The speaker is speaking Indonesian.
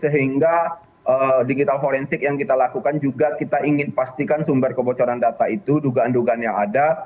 kita digital forensik yang kita lakukan juga kita ingin pastikan sumber kebocoran data itu dugaan dugaan yang ada